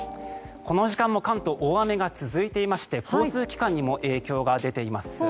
この時間も関東大雨が続いていまして交通機関にも影響が出ています。